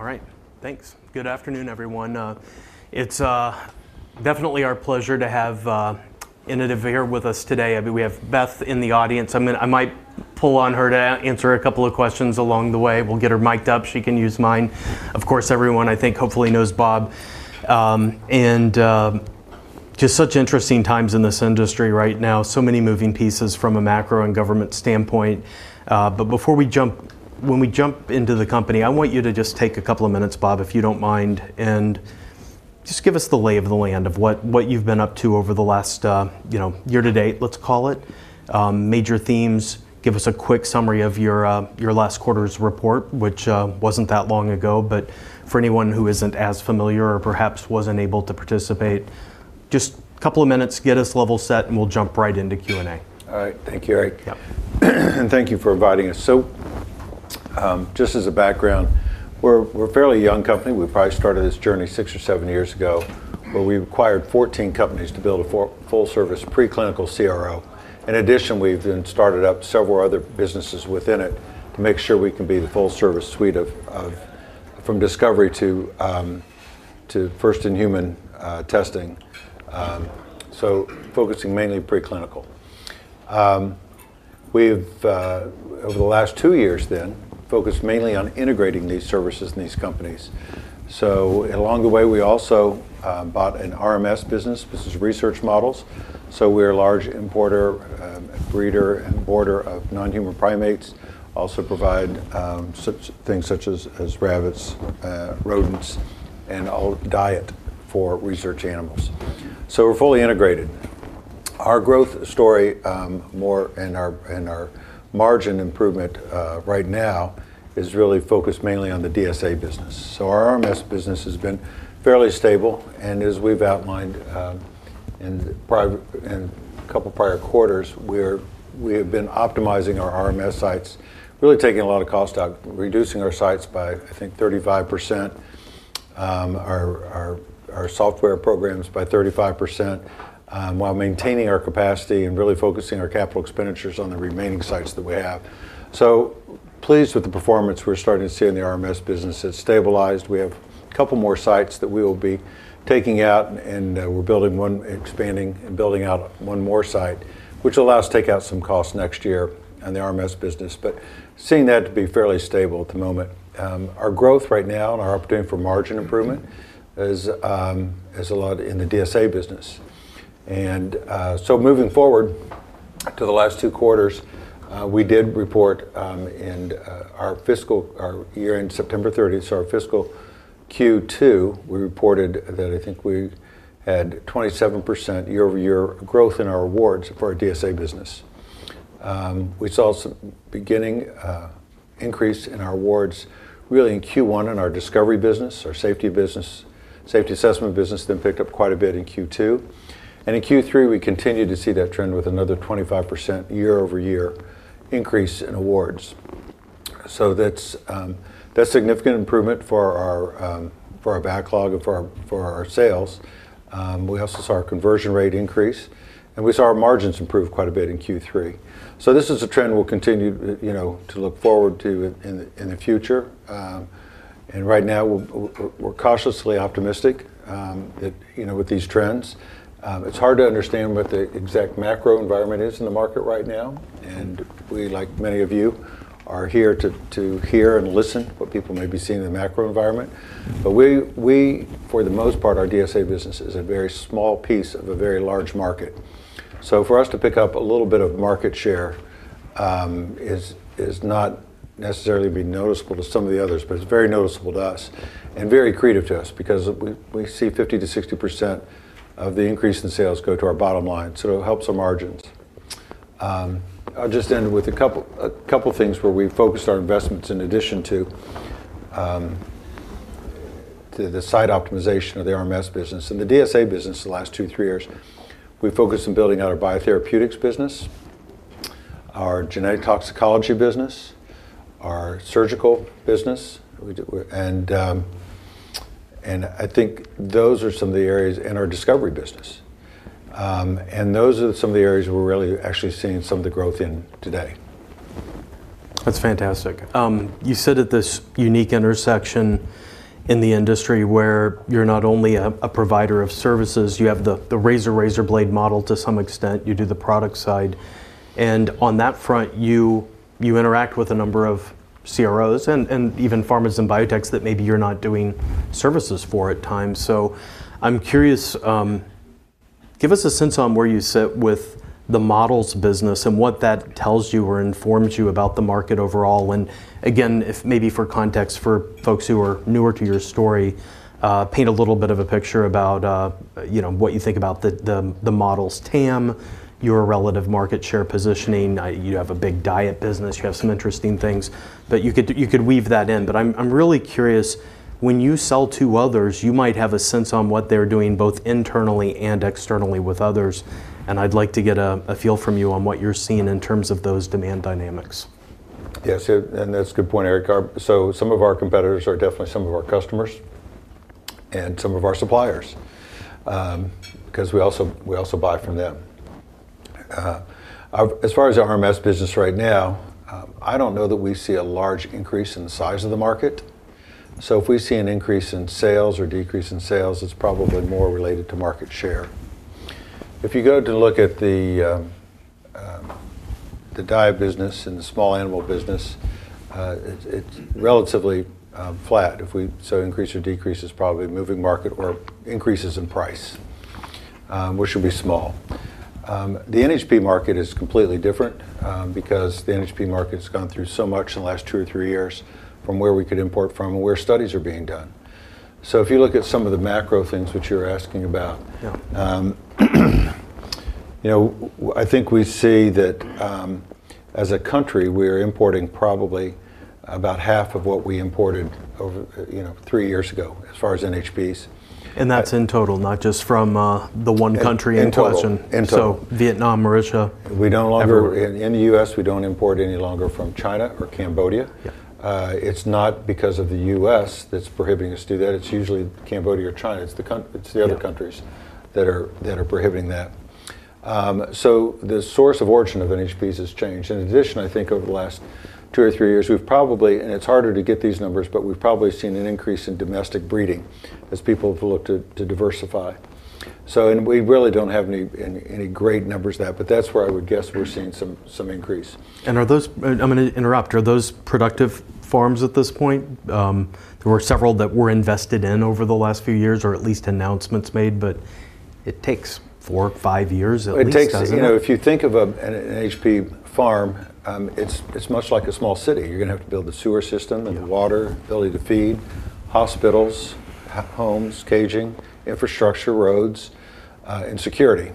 All right. Thanks. Good afternoon, everyone. It's definitely our pleasure to have Inotiv with us today. I mean, we have Beth in the audience. I'm going to, I might pull on her to answer a couple of questions along the way. We'll get her mic'd up. She can use mine. Of course, everyone, I think, hopefully knows Bob. Just such interesting times in this industry right now. So many moving pieces from a macro and government standpoint. Before we jump into the company, I want you to just take a couple of minutes, Bob, if you don't mind, and just give us the lay of the land of what you've been up to over the last, you know, year-to-date, let's call it. Major themes. Give us a quick summary of your last quarter's report, which wasn't that long ago, but for anyone who isn't as familiar or perhaps wasn't able to participate, just a couple of minutes, get us level set, and we'll jump right into Q&A. All right. Thank you, Eric. Yeah, and thank you for inviting us. Just as a background, we're a fairly young company. We probably started this journey six or seven years ago, but we acquired 14 companies to build a full service preclinical CRO. In addition, we've then started up several other businesses within it to make sure we can be the full service suite from discovery to first-in-human testing, focusing mainly preclinical. Over the last two years, we've focused mainly on integrating these services in these companies. Along the way, we also bought an RMS business, which is research models. We're a large importer, breeder and boarder of non-human primates. We also provide things such as rabbits, rodents, and all diet for research animals. We're fully integrated. Our growth story, more in our margin improvement right now, is really focused mainly on the DSA business. Our RMS business has been fairly stable. As we've outlined in a couple of prior quarters, we have been optimizing our RMS sites, really taking a lot of cost out, reducing our sites by, I think, 35%. Our software programs by 35%, while maintaining our capacity and really focusing our capital expenditures on the remaining sites that we have. Pleased with the performance we're starting to see in the RMS business. It's stabilized. We have a couple more sites that we will be taking out and we're building one, expanding and building out one more site, which will allow us to take out some costs next year on the RMS business. Seeing that to be fairly stable at the moment, our growth right now and our opportunity for margin improvement is a lot in the DSA business. Moving forward to the last two quarters, we did report, our year ends September 30, so our fiscal Q2 we reported that I think we had 27% year-over-year growth in our awards for our DSA business. We saw some beginning increase in our awards really in Q1 in our discovery business, our safety business, safety assessment business then picked up quite a bit in Q2. In Q3, we continued to see that trend with another 25% year-over-year increase in awards. That's significant improvement for our backlog and for our sales. We also saw our conversion rate increase, and we saw our margins improve quite a bit in Q3. This is a trend we'll continue to look forward to in the future. Right now we're cautiously optimistic that, with these trends, it's hard to understand what the exact macro-environment is in the market right now. We, like many of you, are here to hear and listen to what people may be seeing in the macro-environment. For the most part, our DSA business is a very small piece of a very large market. For us to pick up a little bit of market share is not necessarily noticeable to some of the others, but it's very noticeable to us and very accretive to us because we see 50%-60% of the increase in sales go to our bottom line. It helps our margins. I'll just end with a couple of things where we focused our investments in addition to the site optimization of the RMS business. In the DSA business, the last two or three years, we focused on building out our biotherapeutics business, our genetic toxicology business, our surgical business, and I think those are some of the areas in our discovery business. Those are some of the areas we're really actually seeing some of the growth in today. That's fantastic. You sit at this unique intersection in the industry where you're not only a provider of services, you have the razor razor blade model to some extent, you do the product side, and on that front, you interact with a number of CROs and even pharmas and biotechs that maybe you're not doing services for at times. I'm curious, give us a sense on where you sit with the models business and what that tells you or informs you about the market overall. If maybe for context for folks who are newer to your story, paint a little bit of a picture about what you think about the models, TAM, your relative market share positioning. You have a big diet business. You have some interesting things, but you could weave that in. I'm really curious. When you sell to others, you might have a sense on what they're doing both internally and externally with others. I'd like to get a feel from you on what you're seeing in terms of those demand dynamics. Yes, and that's a good point, Eric. Some of our competitors are definitely some of our customers and some of our suppliers, because we also buy from them. As far as the RMS business right now, I don't know that we see a large increase in the size of the market. If we see an increase in sales or decrease in sales, it's probably more related to market share. If you go to look at the [DDI] business and the small animal business, it's relatively flat. Increase or decrease is probably moving market or increases in price, which would be small. The NHP market is completely different, because the NHP market's gone through so much in the last two or three years from where we could import from and where studies are being done. If you look at some of the macro things which you're asking about, I think we see that, as a country, we are importing probably about half of what we imported over three years ago as far as NHPs. That's in total, not just from the one country in question. Vietnam, Mauritia. We no longer, in the U.S., import any longer from China or Cambodia. It's not because of the U.S. that's prohibiting us to do that. It's usually Cambodia or China. It's the other countries that are prohibiting that. The source of origin of NHPs has changed. In addition, I think over the last two or three years, we've probably, and it's harder to get these numbers, but we've probably seen an increase in domestic breeding as people have looked to diversify. We really don't have any great numbers there, but that's where I would guess we're seeing some increase. Are those productive farms at this point? There were several that were invested in over the last few years, or at least announcements made, but it takes four, five years. It takes, you know, if you think of an NHP farm, it's much like a small city. You're going to have to build a sewer system and water, ability to feed, hospitals, homes, caging, infrastructure, roads, and security.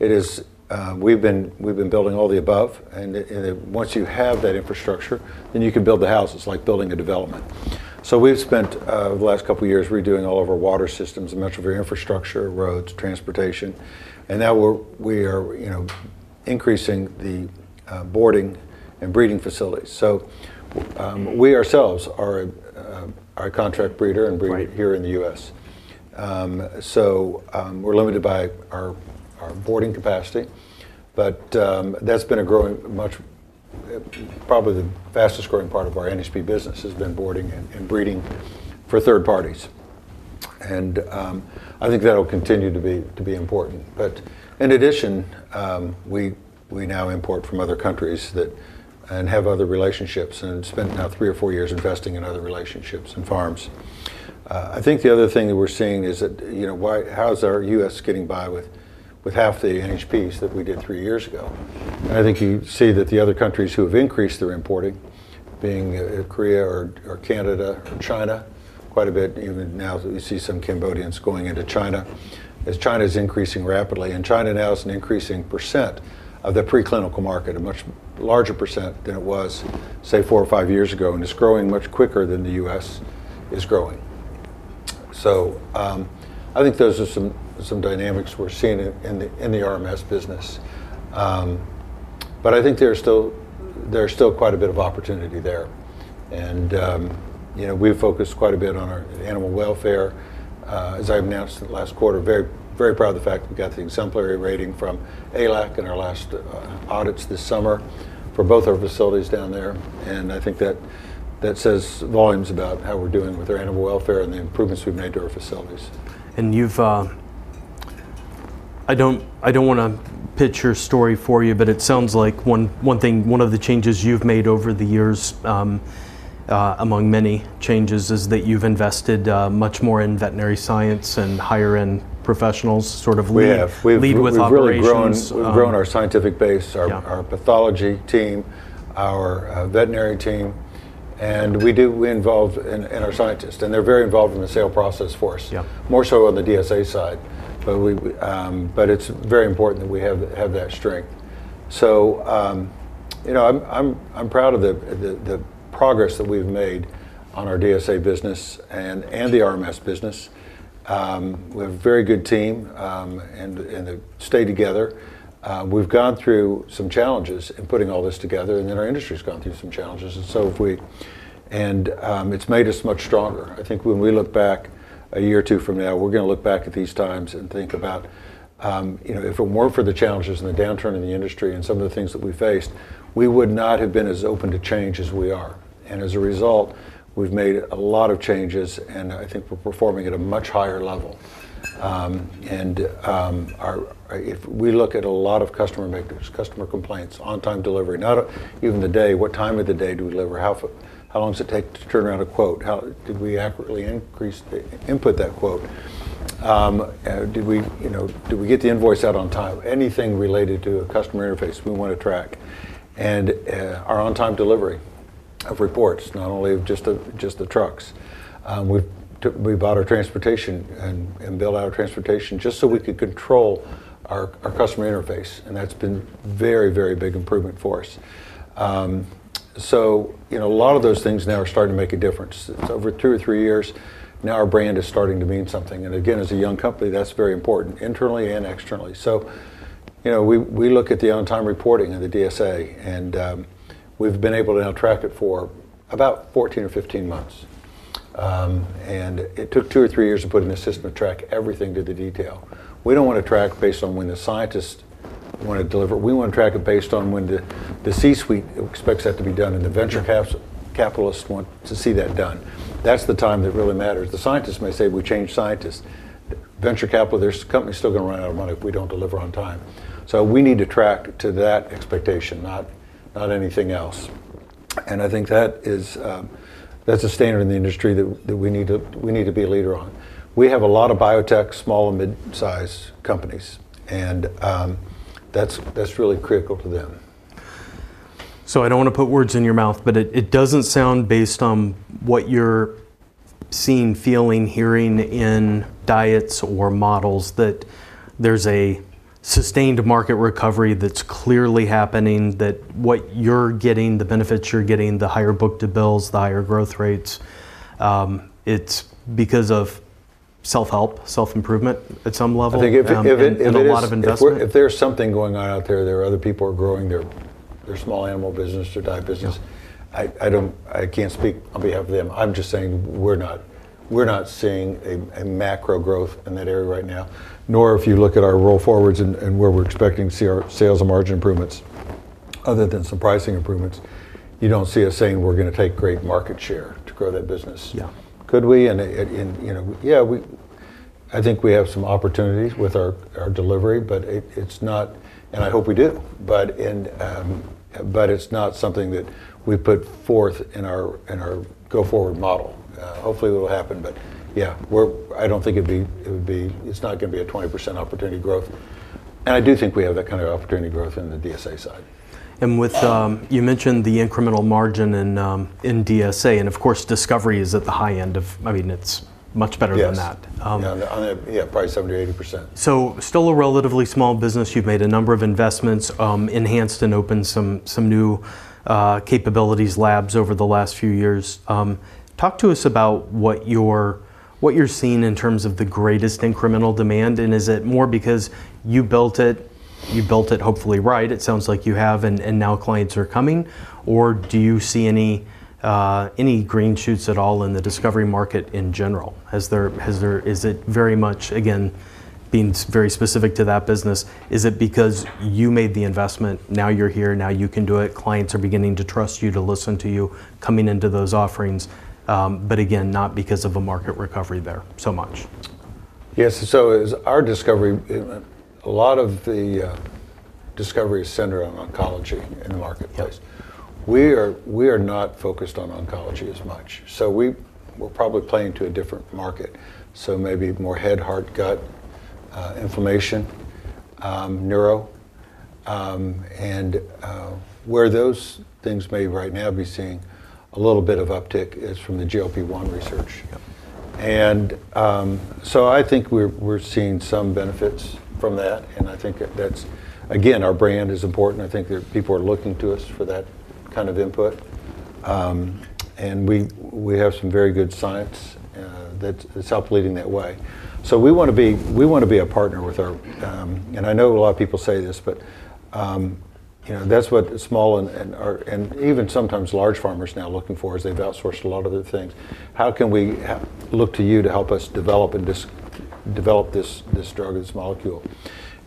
It is, we've been building all the above. Once you have that infrastructure, then you can build the houses, like building a development. We've spent the last couple of years redoing all of our water systems, the metro infrastructure, roads, transportation, and now we are increasing the boarding and breeding facilities. We ourselves are our contract breeder and breeder here in the U.S., so we're limited by our boarding capacity, but that's been growing much, probably the fastest growing part of our NHP business has been boarding and breeding for third parties. I think that'll continue to be important. In addition, we now import from other countries and have other relationships and spent now three or four years investing in other relationships and farms. I think the other thing that we're seeing is that, you know, why, how's our U.S. getting by with half the NHPs that we did three years ago? I think you see that the other countries who have increased their importing, being Korea or Canada, China, quite a bit, even now that we see some Cambodians going into China, as China is increasing rapidly. China now is an increasing percent of the preclinical market, a much larger percent than it was, say, four or five years ago, and it's growing much quicker than the U.S. is growing. I think those are some dynamics we're seeing in the RMS business. I think there's still quite a bit of opportunity there. We've focused quite a bit on our animal welfare, as I've announced in the last quarter, very, very proud of the fact we've got the exemplary rating from ALAC in our last audits this summer for both our facilities down there. I think that says volumes about how we're doing with our animal welfare and the improvements we've made to our facilities. It sounds like one of the changes you've made over the years, among many changes, is that you've invested much more in veterinary science and higher-end professionals, sort of lead with operations. We've grown our scientific base, our pathology team, our veterinary team, and we involve our scientists, and they're very involved in the sale process for us, more so on the DSA side. It's very important that we have that strength. I'm proud of the progress that we've made on our DSA business and the RMS business. We have a very good team, and they stay together. We've gone through some challenges in putting all this together, and then our industry's gone through some challenges. It's made us much stronger. I think when we look back a year or two from now, we're going to look back at these times and think about, if it weren't for the challenges and the downturn in the industry and some of the things that we faced, we would not have been as open to change as we are. As a result, we've made a lot of changes, and I think we're performing at a much higher level. If we look at a lot of customer [makers], customer complaints, on-time delivery, not even the day, what time of the day do we deliver? How long does it take to turn around a quote? How did we accurately increase the input that quote? Did we get the invoice out on time? Anything related to a customer interface we want to track. Our on-time delivery of reports, not only just the trucks. We bought our transportation and built out our transportation just so we could control our customer interface. That's been a very, very big improvement for us. A lot of those things now are starting to make a difference. It's over two or three years. Now our brand is starting to mean something. Again, as a young company, that's very important internally and externally. We look at the on-time reporting in the DSA and we've been able to now track it for about 14 or 15 months. It took two or three years to put an assistant to track everything to the detail. We don't want to track based on when the scientists want to deliver. We want to track it based on when the C-suite expects that to be done, and the venture capitalists want to see that done. That's the time that really matters. The scientists may say we changed scientists. Venture capital, their company's still going to run out of money if we don't deliver on time. We need to track to that expectation, not anything else. That is a standard in the industry that we need to be a leader on. We have a lot of biotech, small and mid-sized companies, and that's really critical to them. I don't want to put words in your mouth, but it doesn't sound based on what you're seeing, feeling, hearing in diets or models that there's a sustained market recovery that's clearly happening. What you're getting, the benefits you're getting, the higher booked bills, the higher growth rates, it's because of self-help, self-improvement at some level. I think if there's something going on out there, there are other people who are growing their small animal business, their dive business. I can't speak on behalf of them. I'm just saying we're not seeing a macro-growth in that area right now. Nor if you look at our roll forwards and where we're expecting to see our sales and margin improvements, other than some pricing improvements, you don't see us saying we're going to take great market share to grow that business. Yeah. Could we? Yeah, I think we have some opportunities with our delivery, but it's not, and I hope we do, but it's not something that we put forth in our go-forward model. Hopefully it'll happen, but yeah, I don't think it would be, it's not going to be a 20% opportunity growth. I do think we have that kind of opportunity growth in the DSA side. You mentioned the incremental margin in DSA, and of course discovery is at the high end of, I mean, it's much better than that. Yeah, probably 70%-80%. is still a relatively small business. You've made a number of investments, enhanced and opened some new capabilities and labs over the last few years. Talk to us about what you're seeing in terms of the greatest incremental demand, and is it more because you built it, you built it hopefully right, it sounds like you have, and now clients are coming, or do you see any green shoots at all in the discovery market in general? Has there, is it very much, again, being very specific to that business? Is it because you made the investment, now you're here, now you can do it, clients are beginning to trust you, to listen to you coming into those offerings, but again, not because of a market recovery there so much? Yes, our discovery, a lot of the discovery is centered on oncology in the marketplace. We are not focused on oncology as much. We'll probably play into a different market, maybe more head, heart, gut, inflammation, neuro, where those things may right now be seeing a little bit of uptick from the GLP-1 research. I think we're seeing some benefits from that. I think that that's, again, our brand is important. I think that people are looking to us for that kind of input. We have some very good science that is help leading that way. We want to be a partner with our, and I know a lot of people say this, but that's what small and, or, and even sometimes large pharma is now looking for is they've outsourced a lot of their things. How can we look to you to help us develop and just develop this drug or this molecule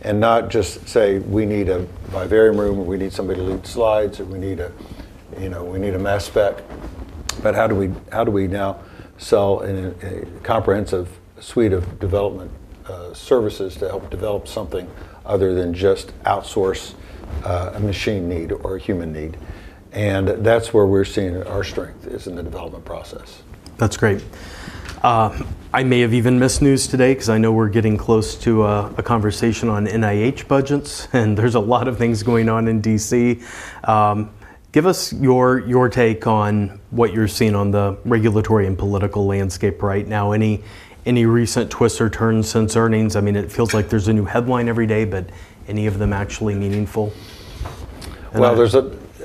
and not just say we need a vivarium room and we need somebody to lead slides and we need a mass-spec, but how do we now sell a comprehensive suite of development services to help develop something other than just outsource a machine need or a human need? That's where we're seeing our strength is in the development process. That's great. I may have even missed news today because I know we're getting close to a conversation on NIH budgets and there's a lot of things going on in D.C. Give us your take on what you're seeing on the regulatory and political landscape right now. Any recent twists or turns since earnings? I mean, it feels like there's a new headline every day, but any of them actually meaningful?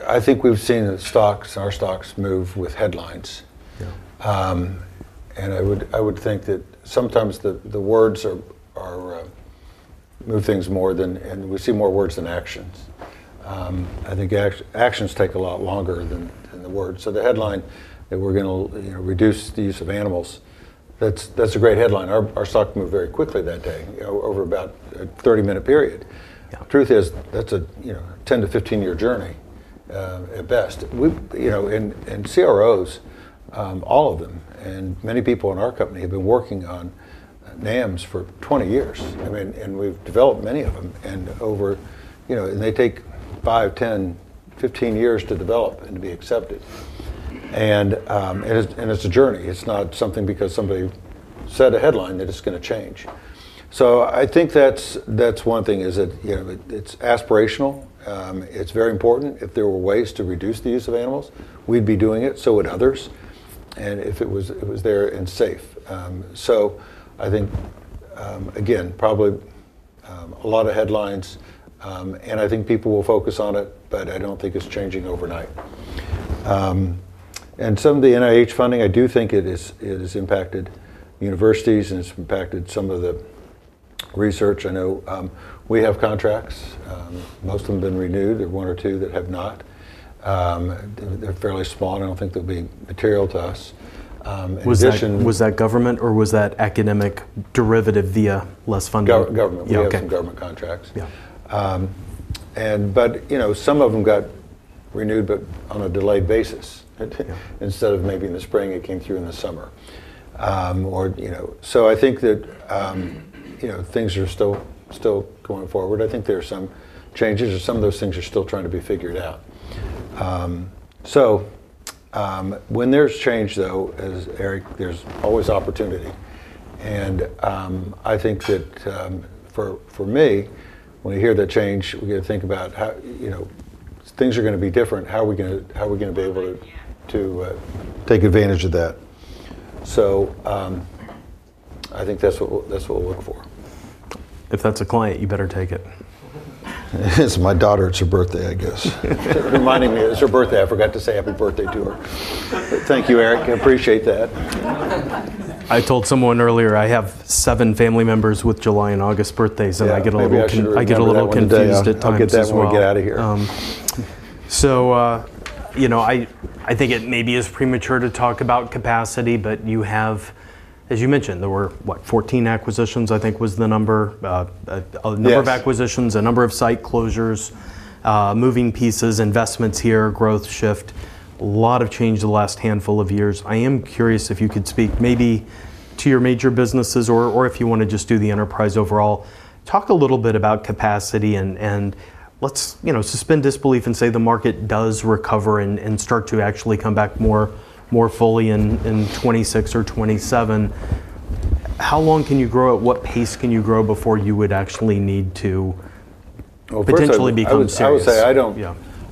I think we've seen stocks, our stocks move with headlines. I would think that sometimes the words move things more than, and we see more words than actions. I think actions take a lot longer than the words. The headline that we're going to reduce the use of animals, that's a great headline. Our stock moved very quickly that day, over about a 30-minute period. Truth is, that's a 10 to 15-year journey, at best. In CROs, all of them, and many people in our company have been working on NAMs for 20 years. We've developed many of them, and they take 5, 10, 15 years to develop and be accepted. It is a journey. It's not something because somebody said a headline that it's going to change. I think that's one thing, it's aspirational. It's very important. If there were ways to reduce the use of animals, we'd be doing it. So would others. If it was there and safe. I think, again, probably a lot of headlines, and I think people will focus on it, but I don't think it's changing overnight. Some of the NIH funding, I do think it has impacted universities and it's impacted some of the research. I know we have contracts. Most of them have been renewed. There are one or two that have not. They're fairly small. I don't think they'll be material to us. Was that government or was that academic derivative via less funding? We have some government contracts, and some of them got renewed, but on a delayed basis. Instead of maybe in the spring, it came through in the summer. I think that things are still going forward. I think there are some changes or some of those things are still trying to be figured out. When there's change, though, as Eric, there's always opportunity. I think that, for me, when you hear that change, we got to think about how things are going to be different. How are we going to be able to take advantage of that? I think that's what we'll look for. If that's a client, you better take it. It's my daughter. It's her birthday, I guess. Reminding me it's her birthday. I forgot to say happy birthday to her. Thank you, Eric. I appreciate that. I told someone earlier, I have seven family members with July and August birthdays, and I get a little confused at times. I'll get that when we get out of here. I think it maybe is premature to talk about capacity, but you have, as you mentioned, there were what, 14 acquisitions, I think was the number, a number of acquisitions, a number of site closures, moving pieces, investments here, growth shift, a lot of change in the last handful of years. I am curious if you could speak maybe to your major businesses or if you want to just do the enterprise overall. Talk a little bit about capacity and let's suspend disbelief and say the market does recover and start to actually come back more fully in 2026 or 2027. How long can you grow, at what pace can you grow before you would actually need to potentially become?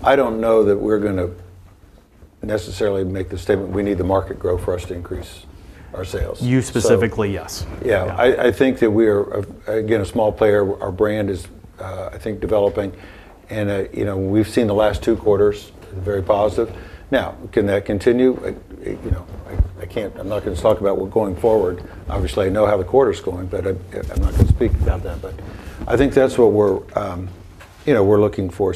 I don't know that we're going to necessarily make the statement we need the market growth for us to increase our sales. You specifically, yes. Yeah, I think that we are, again, a small player. Our brand is, I think, developing and we've seen the last two quarters very positive. Now, can that continue? I can't, I'm not going to talk about what going forward. Obviously, I know how the quarter's going, but I'm not going to speak about that. I think that's what we're looking for.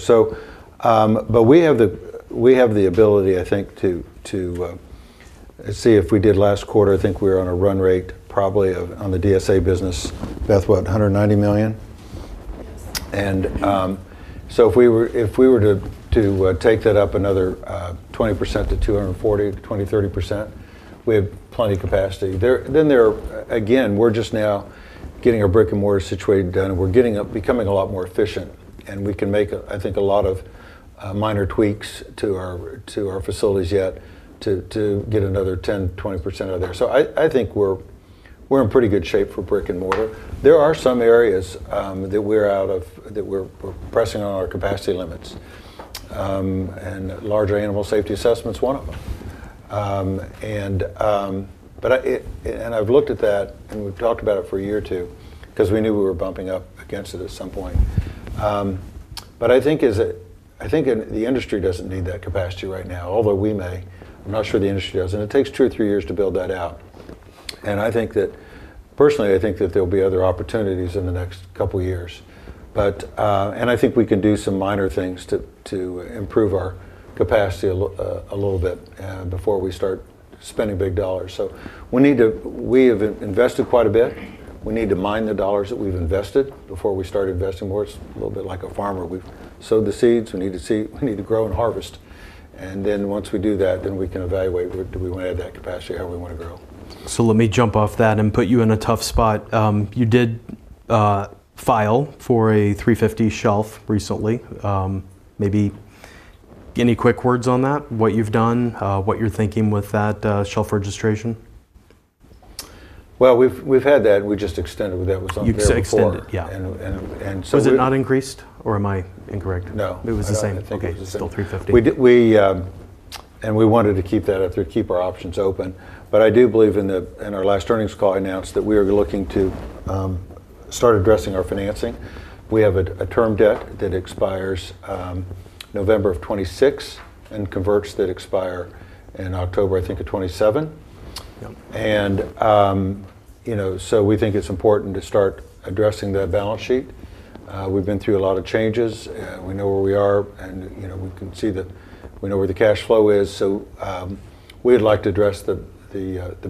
We have the ability, I think, to see if we did last quarter. I think we were on a run rate probably of, on the DSA business, Beth, what, $190 million? If we were to take that up another 20%, 30%, we have plenty of capacity there. We're just now getting our brick and mortar situated, and we're getting up, becoming a lot more efficient, and we can make, I think, a lot of minor tweaks to our facilities yet to get another 10%, 20% out of there. I think we're in pretty good shape for brick and mortar. There are some areas that we're out of, that we're pressing on our capacity limits, and larger animal safety assessments, one of them. I've looked at that and we've talked about it for a year or two because we knew we were bumping up against it at some point. I think the industry doesn't need that capacity right now, although we may, I'm not sure the industry does, and it takes two or three years to build that out. Personally, I think that there'll be other opportunities in the next couple of years. I think we can do some minor things to improve our capacity a little bit before we start spending big dollars. We need to, we have invested quite a bit. We need to mine the dollars that we've invested before we start investing more. It's a little bit like a farmer. We've sowed the seeds. We need to see, we need to grow and harvest. Once we do that, then we can evaluate what do we want to add to that capacity, how we want to grow. Let me jump off that and put you in a tough spot. You did file for a $350 million shelf recently. Maybe any quick words on that, what you've done, what you're thinking with that shelf registration? We've had that. We just extended what that was on there. You extended, yeah. Was it not increased or am I incorrect? No. It was the same. Okay, it's still 350. We wanted to keep that up there, keep our options open. I do believe in our last earnings call, I announced that we were looking to start addressing our financing. We have a term debt that expires November of 2026 and converts that expire in October of 2027. We think it's important to start addressing that balance sheet. We've been through a lot of changes. We know where we are and we can see that we know where the cash flow is. We'd like to address the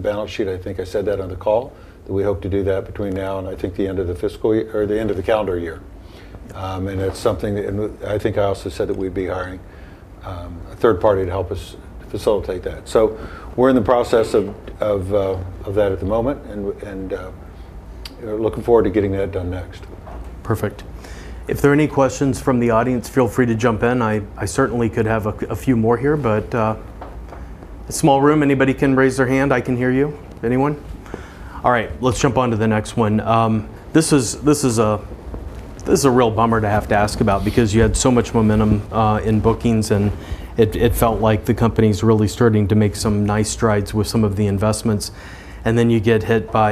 balance sheet. I think I said that on the call. We hope to do that between now and the end of the fiscal year or the end of the calendar year. It's something that I think I also said that we'd be hiring a third party to help us facilitate that. We're in the process of that at the moment and we're looking forward to getting that done next. Perfect. If there are any questions from the audience, feel free to jump in. I certainly could have a few more here, but a small room. Anybody can raise their hand. I can hear you. Anyone? All right, let's jump on to the next one. This is a real bummer to have to ask about because you had so much momentum in bookings and it felt like the company's really starting to make some nice strides with some of the investments. Then you get hit by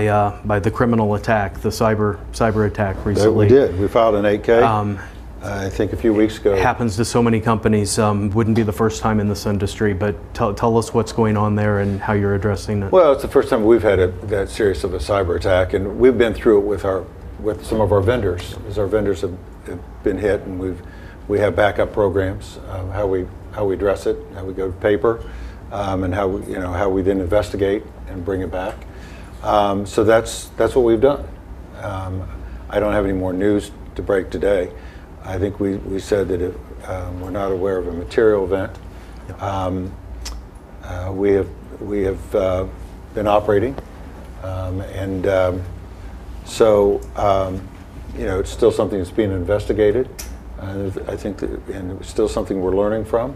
the criminal attack, the cyberattack recently. We did. We filed an 8-K, I think a few weeks ago. Happens to so many companies, wouldn't be the first time in this industry, but tell us what's going on there and how you're addressing it. It's the first time we've had that serious of a cyberattack and we've been through it with some of our vendors as our vendors have been hit. We have backup programs, how we address it, how we go to paper, and how we investigate and bring it back. That's what we've done. I don't have any more news to break today. I think we said that we're not aware of a material event. We have been operating, and it's still something that's being investigated. I think that it was still something we're learning from.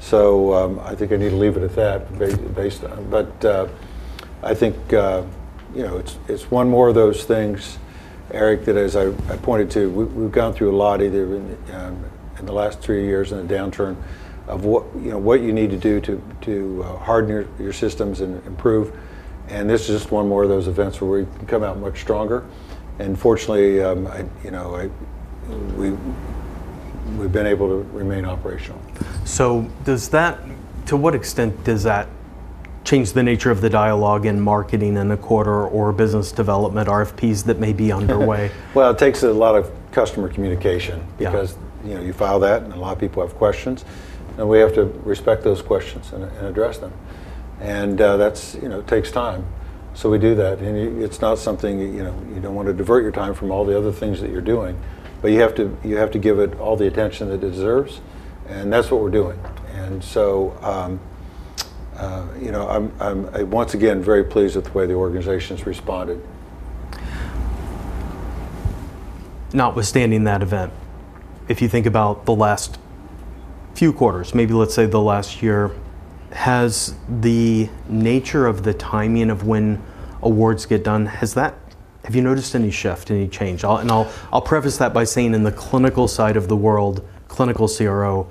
I think I need to leave it at that, but I think it's one more of those things, Eric, that as I pointed to, we've gone through a lot in the last three years in a downturn of what you need to do to harden your systems and improve. This is just one more of those events where we come out much stronger. Fortunately, we've been able to remain operational. To what extent does that change the nature of the dialogue in marketing in the quarter or business development RFPs that may be underway? It takes a lot of customer communication because, you know, you file that and a lot of people have questions. We have to respect those questions and address them. It takes time, so we do that. It's not something, you know, you don't want to divert your time from all the other things that you're doing, but you have to give it all the attention that it deserves. That's what we're doing. I'm once again very pleased with the way the organization's responded. Notwithstanding that event, if you think about the last few quarters, maybe let's say the last year, has the nature of the timing of when awards get done, has that, have you noticed any shift, any change? I'll preface that by saying in the clinical side of the world, clinical CRO,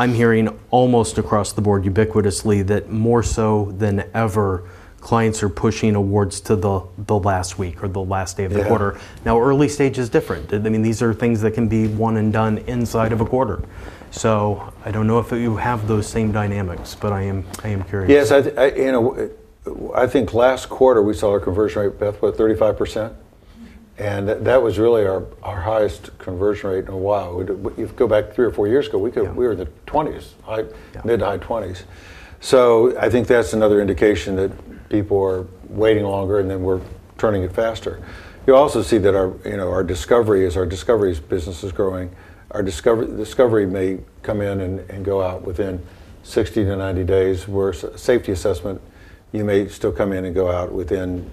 I'm hearing almost across the board ubiquitously that more so than ever, clients are pushing awards to the last week or the last day of the quarter. Early stage is different. I mean, these are things that can be one and done inside of a quarter. I don't know if you have those same dynamics, but I am curious. Yes, I think last quarter we saw our conversion rate, Beth, what, 35%? That was really our highest conversion rate in a while. You go back three or four years ago, we were in the 20s, mid-to-high 20s. I think that's another indication that people are waiting longer and then we're turning it faster. You also see that our discovery business is growing. Our discovery may come in and go out within 60-90 days, whereas a safety assessment may still come in and go out within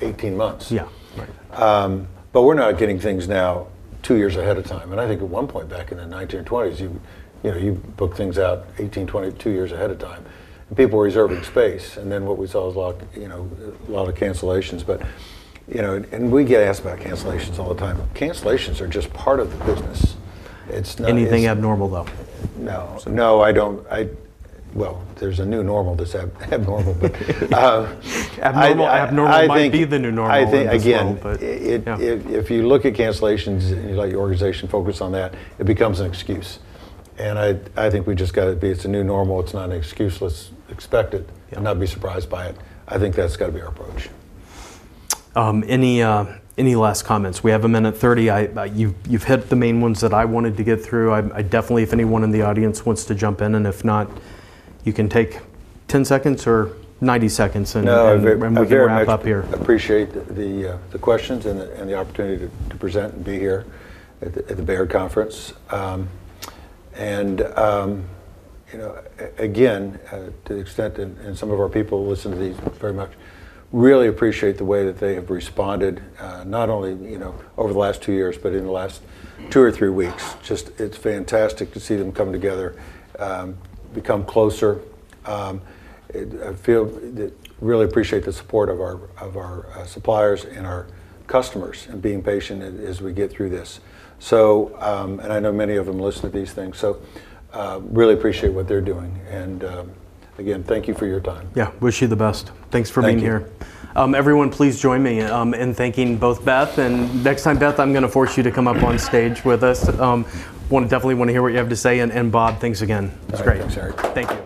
3-18 months. Yeah, right. We're not getting things now two years ahead of time. I think at one point back in the 1920s, you booked things out 18, 22 years ahead of time. People were reserving space. What we saw was a lot of cancellations. We get asked about cancellations all the time. Cancellations are just part of the business. It's not. Anything abnormal though? No, I don't. There's a new normal, just abnormal. Abnormal wouldn't be the new normal. I think again, if you look at cancellations and you let your organization focus on that, it becomes an excuse. I think we just got to be, it's a new normal. It's not an excuse. Let's expect it. I'm not being surprised by it. I think that's got to be our approach. Any last comments? We have 1 minute 30 seconds. You've hit the main ones that I wanted to get through. If anyone in the audience wants to jump in, and if not, you can take 10 seconds or 90 seconds and we're moving right up here. Appreciate the questions and the opportunity to present and be here at the Baird Conference. You know, to the extent that some of our people listen to these very much, really appreciate the way that they have responded, not only over the last two years, but in the last two or three weeks. It's fantastic to see them come together, become closer. I feel that, really appreciate the support of our suppliers and our customers and being patient as we get through this. I know many of them listen to these things. Really appreciate what they're doing. Again, thank you for your time. Yeah, wish you the best. Thanks for being here. Everyone, please join me in thanking both Beth and next time, Beth, I'm going to force you to come up on stage with us. I definitely want to hear what you have to say. Bob, thanks again. That was great. Thanks, Eric. Thank you.